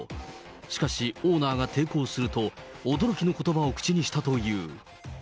しかし、オーナーが抵抗すると、驚きのことばを口にしたという。